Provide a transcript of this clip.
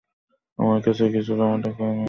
আমার কাছে কিছু জমানো টাকা আছে।